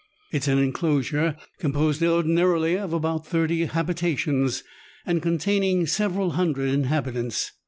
It is an enclosure composed ordinarily of about thirty habitations, and containing several hundred inhabitants.